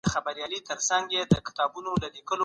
کوم خواړه ګلایکوجن زیاتوي؟